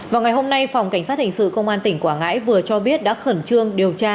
vào ngày hôm nay phòng cảnh sát hình sự công an tỉnh quảng ngãi vừa cho biết đã khẩn trương điều tra